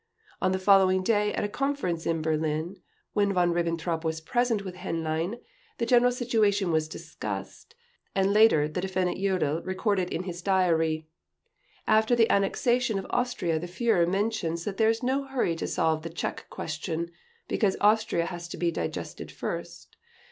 On the following day, at a conference in Berlin, when Von Ribbentrop was present with Henlein, the general situation was discussed, and later the Defendant Jodl recorded in his diary: "After the annexation of Austria the Führer mentions that there is no hurry to solve the Czech question, because Austria has to be digested first.